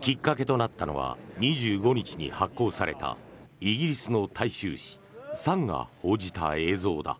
きっかけとなったのは２５日に発行されたイギリスの大衆紙サンが報じた映像だ。